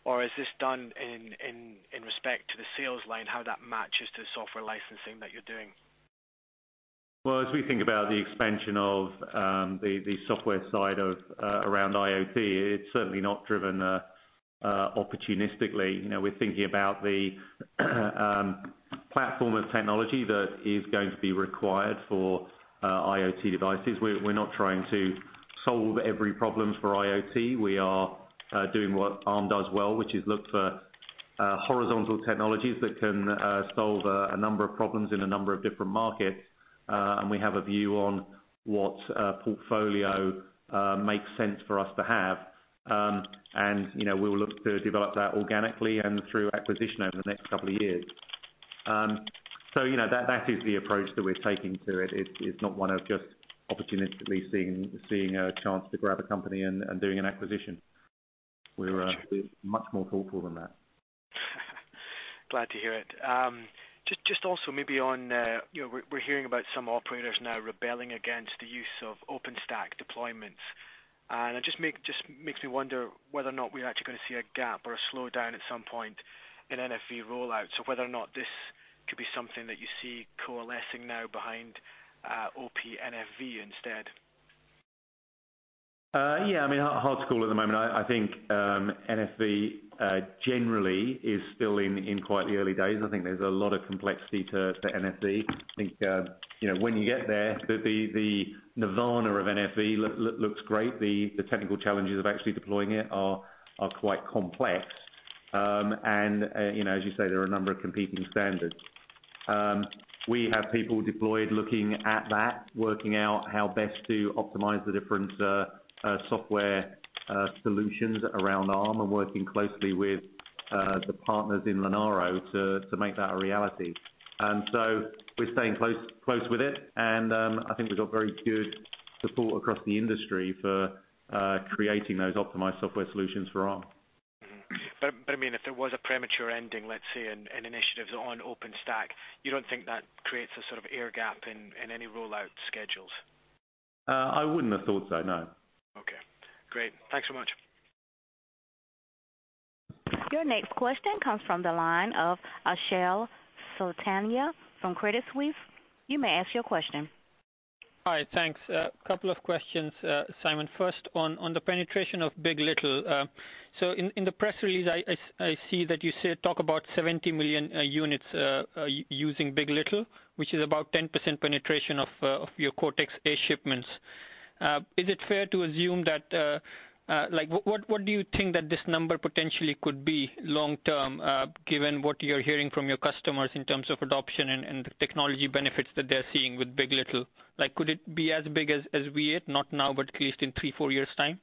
Is this done in respect to the sales line, how that matches to the software licensing that you're doing? Well, as we think about the expansion of the software side around IoT, it's certainly not driven opportunistically. We're thinking about the platform of technology that is going to be required for IoT devices. We're not trying to solve every problem for IoT. We are doing what Arm does well, which is look for horizontal technologies that can solve a number of problems in a number of different markets. We have a view on what portfolio makes sense for us to have. We will look to develop that organically and through acquisition over the next couple of years. That is the approach that we're taking to it. It's not one of just opportunistically seeing a chance to grab a company and doing an acquisition. We're much more thoughtful than that. Glad to hear it. Just also maybe on, we're hearing about some operators now rebelling against the use of OpenStack deployments. It just makes me wonder whether or not we're actually going to see a gap or a slowdown at some point in NFV rollout. Whether or not this could be something that you see coalescing now behind OPNFV instead. Yeah, hard to call at the moment. I think NFV generally is still in quite the early days. I think there's a lot of complexity to NFV. I think when you get there, the nirvana of NFV looks great. The technical challenges of actually deploying it are quite complex. As you say, there are a number of competing standards. We have people deployed looking at that, working out how best to optimize the different software solutions around Arm and working closely with the partners in Linaro to make that a reality. So we're staying close with it, and I think we've got very good support across the industry for creating those optimized software solutions for Arm. Mm-hmm. If there was a premature ending, let's say, in initiatives on OpenStack, you don't think that creates a sort of air gap in any rollout schedules? I wouldn't have thought so, no. Okay, great. Thanks so much. Your next question comes from the line of Achal Sultania from Credit Suisse. You may ask your question. Hi. Thanks. A couple of questions, Simon. First, on the penetration of big. LITTLE. In the press release, I see that you talk about 70 million units using big. LITTLE, which is about 10% penetration of your Cortex-A shipments. Is it fair to assume that what do you think that this number potentially could be long term, given what you're hearing from your customers in terms of adoption and the technology benefits that they're seeing with big. LITTLE? Could it be as big as, V8, not now, but at least in three, four years' time?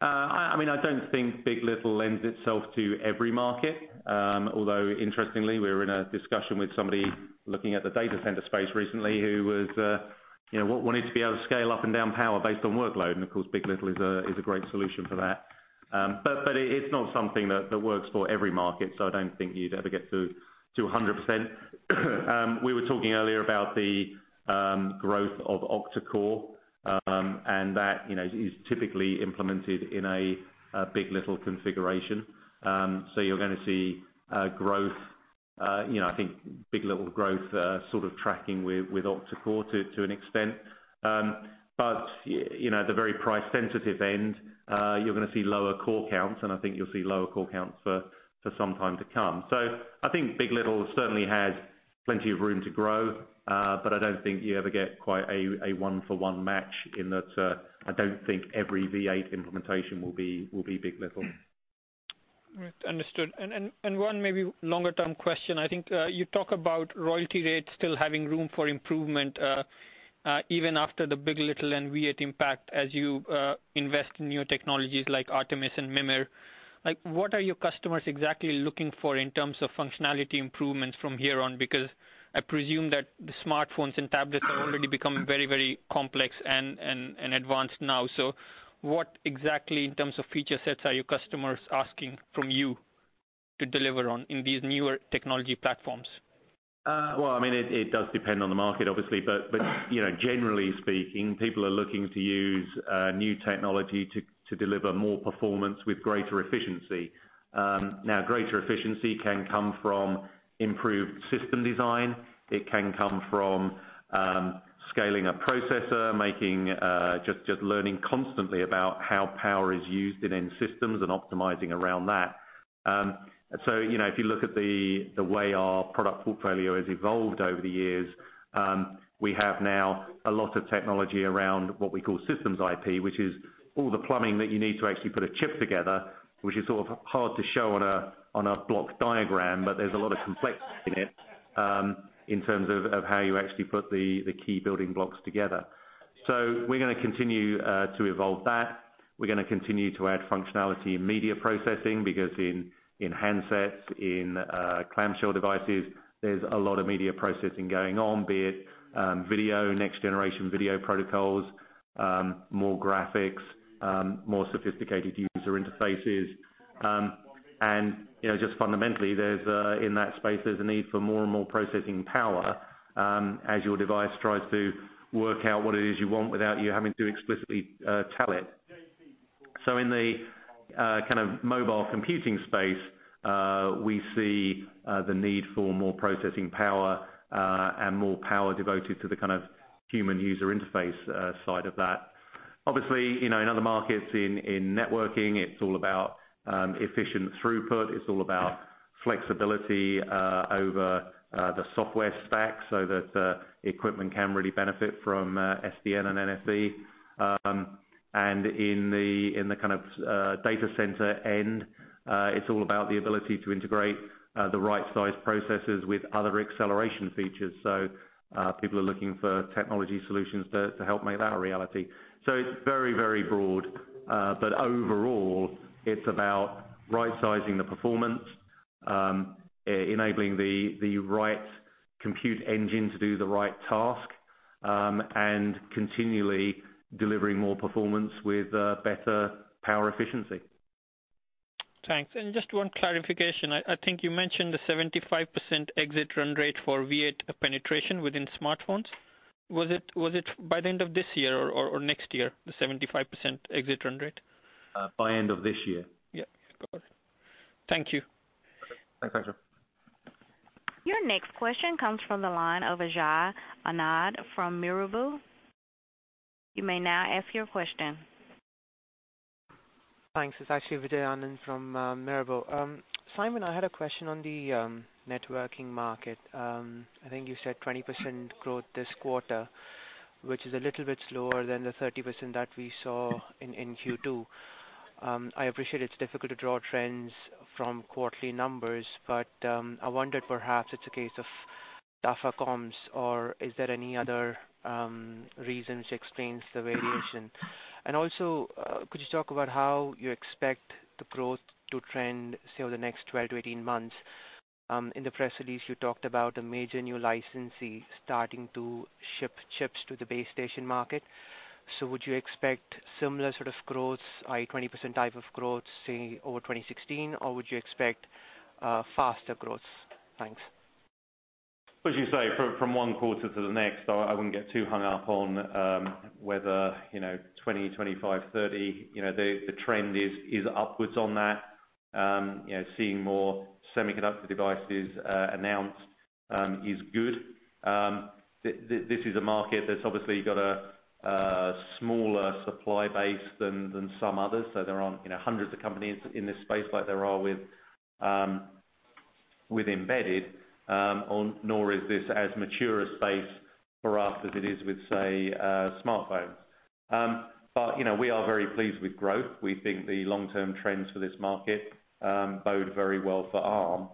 I don't think big. LITTLE lends itself to every market. Although interestingly, we were in a discussion with somebody looking at the data center space recently who was wanting to be able to scale up and down power based on workload. Of course, big. LITTLE is a great solution for that. It's not something that works for every market, so I don't think you'd ever get to 100%. We were talking earlier about the growth of octa-core. That is typically implemented in a big. LITTLE configuration. You're going to see big. LITTLE growth sort of tracking with octa-core to an extent. At the very price sensitive end, you're going to see lower core counts, and I think you'll see lower core counts for some time to come. I think big. LITTLE certainly has plenty of room to grow, but I don't think you ever get quite a one for one match in that I don't think every V8 implementation will be big. LITTLE. Right. Understood. One maybe longer term question. I think you talk about royalty rates still having room for improvement even after the big. LITTLE and V8 impact as you invest in new technologies like Artemis and Mimir. What are your customers exactly looking for in terms of functionality improvements from here on? Because I presume that the smartphones and tablets are already becoming very complex and advanced now. What exactly in terms of feature sets are your customers asking from you to deliver on in these newer technology platforms? Well, it does depend on the market obviously, but generally speaking, people are looking to use new technology to deliver more performance with greater efficiency. Now, greater efficiency can come from improved system design. It can come from scaling a processor, just learning constantly about how power is used in end systems and optimizing around that. If you look at the way our product portfolio has evolved over the years, we have now a lot of technology around what we call systems IP, which is all the plumbing that you need to actually put a chip together, which is sort of hard to show on a block diagram, but there's a lot of complexity in it, in terms of how you actually put the key building blocks together. We're going to continue to evolve that. We're going to continue to add functionality in media processing because in handsets, in clamshell devices, there's a lot of media processing going on, be it video, next generation video protocols, more graphics, more sophisticated user interfaces. Just fundamentally, in that space, there's a need for more and more processing power as your device tries to work out what it is you want without you having to explicitly tell it. In the kind of mobile computing space, we see the need for more processing power, and more power devoted to the kind of human-user interface side of that. Obviously, in other markets in networking, it's all about efficient throughput. It's all about flexibility over the software stack so that equipment can really benefit from SDN and NFV. In the kind of data center end, it's all about the ability to integrate the right size processes with other acceleration features. People are looking for technology solutions to help make that a reality. It's very broad. Overall, it's about right-sizing the performance, enabling the right compute engine to do the right task, and continually delivering more performance with better power efficiency. Thanks. Just one clarification. I think you mentioned the 75% exit run rate for Armv8 penetration within smartphones. Was it by the end of this year or next year, the 75% exit run rate? By end of this year. Yeah. Got it. Thank you. Thanks, Achal. Your next question comes from the line of Ajay Anand from Mizuho. You may now ask your question. Thanks. It is actually Ajay Anand from Mizuho. Simon, I had a question on the networking market. I think you said 20% growth this quarter, which is a little bit slower than the 30% that we saw in Q2. I appreciate it is difficult to draw trends from quarterly numbers, but I wondered perhaps it is a case of tougher comps, or is there any other reason which explains the variation? Could you talk about how you expect the growth to trend say over the next 12 to 18 months? In the press release, you talked about a major new licensee starting to ship chips to the base station market. Would you expect similar sort of growth, a 20% type of growth, say, over 2016, or would you expect faster growth? Thanks. As you say, from one quarter to the next, I wouldn't get too hung up on whether, 20, 25, 30. The trend is upwards on that. Seeing more semiconductor devices announced is good. This is a market that is obviously got a smaller supply base than some others, so there aren't hundreds of companies in this space like there are with embedded, nor is this as mature a space for us as it is with, say, smartphones. We are very pleased with growth. We think the long-term trends for this market bode very well for Arm.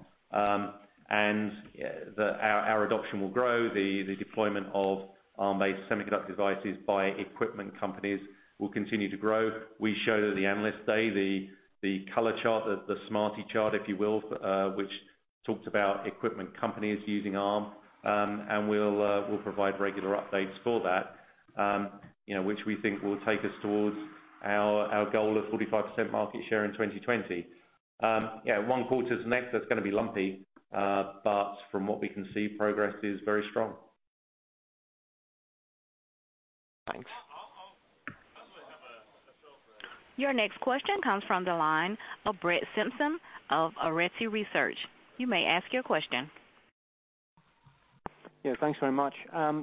Our adoption will grow. The deployment of Arm-based semiconductor devices by equipment companies will continue to grow. We show the analysts, say, the color chart, the SMARTIE chart, if you will, which talks about equipment companies using Arm. We will provide regular updates for that, which we think will take us towards our goal of 45% market share in 2020. Yeah, one quarter to the next, that is going to be lumpy. From what we can see, progress is very strong. Thanks. I also have a short Your next question comes from the line of Brett Simpson of Arete Research. You may ask your question. Yeah, thanks very much.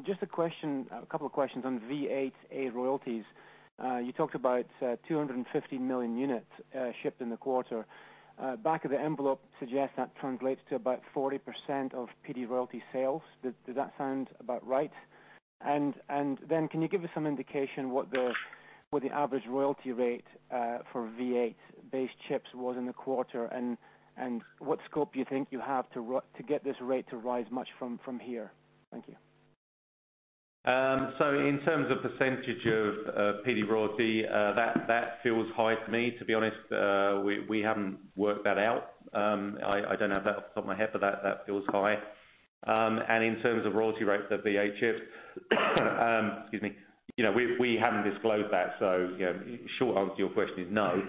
Just a couple of questions on v8-A royalties. You talked about 250 million units shipped in the quarter. Back of the envelope suggests that translates to about 40% of PD royalty sales. Does that sound about right? Can you give us some indication what the average royalty rate for v8-based chips was in the quarter, and what scope do you think you have to get this rate to rise much from here? Thank you. In terms of percentage of PD royalty, that feels high to me, to be honest. We haven't worked that out. I don't have that off the top of my head, but that feels high. In terms of royalty rates of v8 chips, excuse me, we haven't disclosed that. The short answer to your question is no.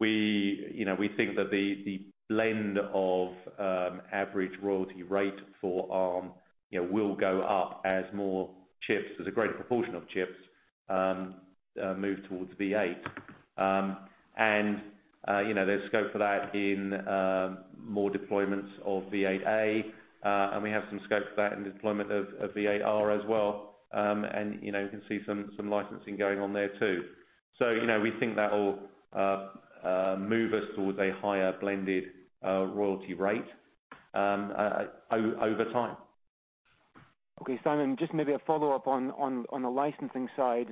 We think that the blend of average royalty rate for Arm will go up as a greater proportion of chips move towards v8. There's scope for that in more deployments of v8a. We have some scope for that in the deployment of ARMv8-R as well. We can see some licensing going on there, too. We think that'll move us towards a higher blended royalty rate over time. Okay. Simon, just maybe a follow-up on the licensing side.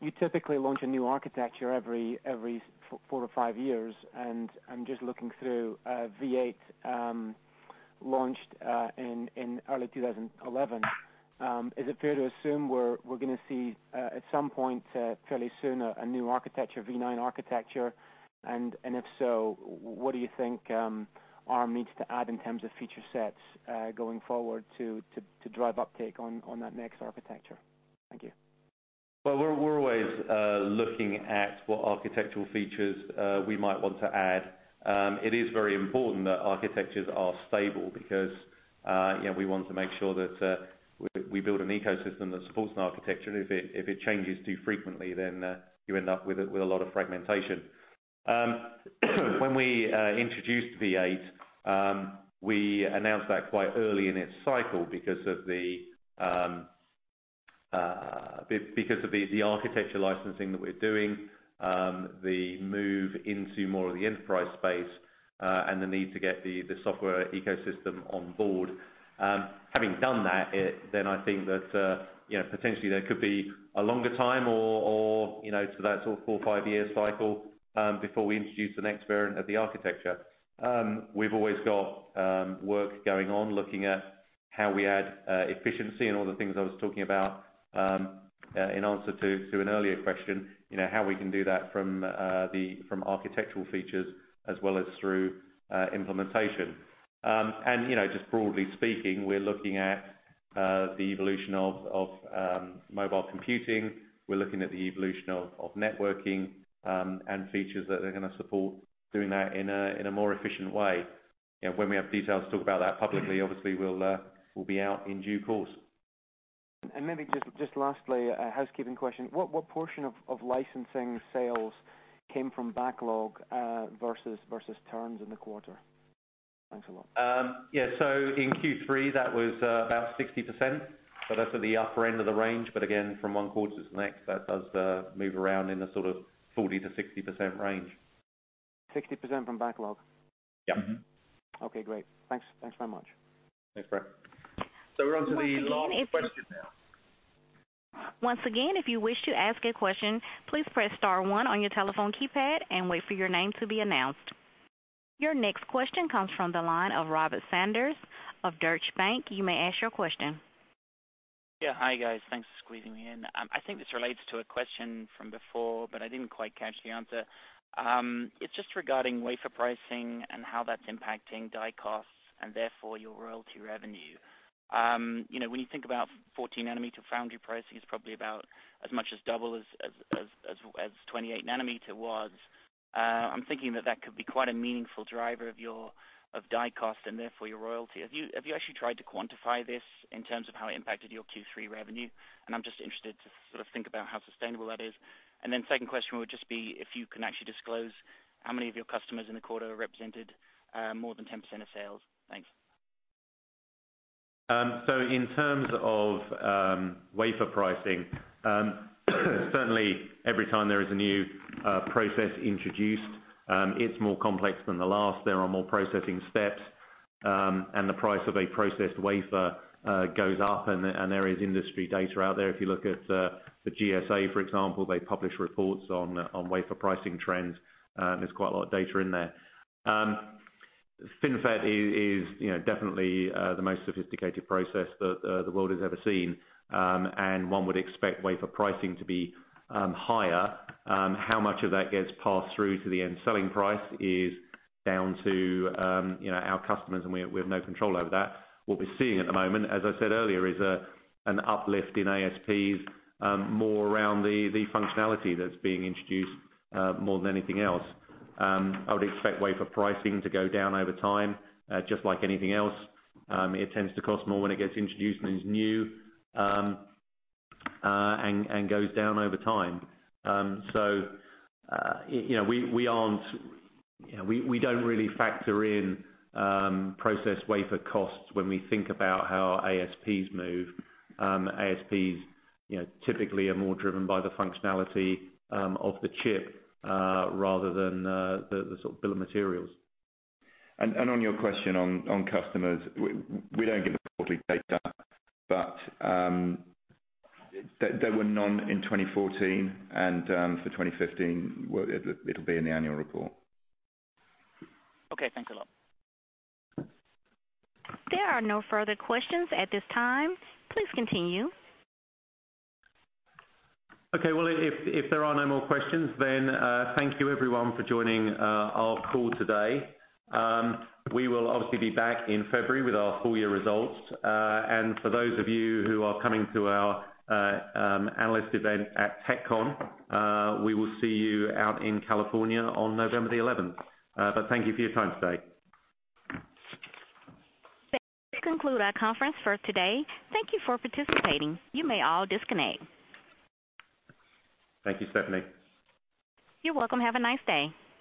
You typically launch a new architecture every four to five years, I'm just looking through v8, launched in early 2011. Is it fair to assume we're going to see, at some point fairly soon, a new architecture, v9 architecture? If so, what do you think Arm needs to add in terms of feature sets going forward to drive uptake on that next architecture? Thank you. We're always looking at what architectural features we might want to add. It is very important that architectures are stable because we want to make sure that we build an ecosystem that supports an architecture, if it changes too frequently, you end up with a lot of fragmentation. When we introduced v8, we announced that quite early in its cycle because of the architecture licensing that we're doing, the move into more of the enterprise space, the need to get the software ecosystem on board. Having done that, I think that potentially there could be a longer time or to that sort of four or five-year cycle before we introduce the next variant of the architecture. We've always got work going on looking at how we add efficiency and all the things I was talking about in answer to an earlier question, how we can do that from architectural features as well as through implementation. Just broadly speaking, we're looking at the evolution of mobile computing. We're looking at the evolution of networking and features that are going to support doing that in a more efficient way. When we have details to talk about that publicly, obviously, we'll be out in due course. Maybe just lastly, a housekeeping question. What portion of licensing sales came from backlog versus terms in the quarter? Thanks a lot. Yeah. In Q3, that was about 60%, that's at the upper end of the range. Again, from one quarter to the next, that does move around in the sort of 40%-60% range. 60% from backlog? Yeah. Okay, great. Thanks very much. Thanks, Brett. We're on to the last question now. Once again, if you wish to ask a question, please press star one on your telephone keypad and wait for your name to be announced. Your next question comes from the line of Robert Sanders of Deutsche Bank. You may ask your question. Hi, guys. Thanks for squeezing me in. I think this relates to a question from before, but I didn't quite catch the answer. It's just regarding wafer pricing and how that's impacting die costs and therefore your royalty revenue. When you think about 14 nanometer foundry pricing, it's probably about as much as double as 28 nanometer was. I'm thinking that that could be quite a meaningful driver of die cost and therefore your royalty. Have you actually tried to quantify this in terms of how it impacted your Q3 revenue? I'm just interested to think about how sustainable that is. Second question would just be if you can actually disclose how many of your customers in the quarter represented more than 10% of sales. Thanks. In terms of wafer pricing, certainly every time there is a new process introduced, it's more complex than the last. There are more processing steps, the price of a processed wafer goes up, there is industry data out there. If you look at the GSA, for example, they publish reports on wafer pricing trends. There's quite a lot of data in there. FinFET is definitely the most sophisticated process that the world has ever seen, one would expect wafer pricing to be higher. How much of that gets passed through to the end selling price is down to our customers, and we have no control over that. What we're seeing at the moment, as I said earlier, is an uplift in ASPs more around the functionality that's being introduced more than anything else. I would expect wafer pricing to go down over time, just like anything else. It tends to cost more when it gets introduced and is new, and goes down over time. We don't really factor in process wafer costs when we think about how our ASPs move. ASPs typically are more driven by the functionality of the chip, rather than the bill of materials. On your question on customers, we don't give the quarterly data, but there were none in 2014, and for 2015, it'll be in the annual report. Okay, thanks a lot. There are no further questions at this time. Please continue. Okay. Well, if there are no more questions, thank you everyone for joining our call today. We will obviously be back in February with our full year results. For those of you who are coming to our analyst event at TechCon, we will see you out in California on November the 11th. Thank you for your time today. This conclude our conference for today. Thank you for participating. You may all disconnect. Thank you, Stephanie. You're welcome. Have a nice day.